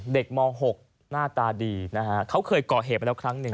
เด็กม๖หน้าตาดีนะฮะเขาเคยเกาะเหตุมาเดียวครั้งนึง